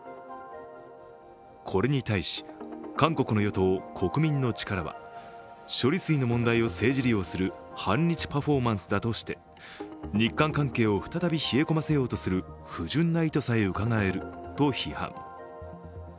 これに対し韓国の与党国民の力は処理水の問題を政治利用する反日パフォーマンスだとして日韓関係を再び冷え込ませようとする不純な意図さえうかがえると批判。